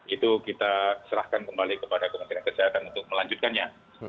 itu kita serahkan kembali kepada kementerian kesehatan untuk melanjutkannya